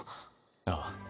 ああ。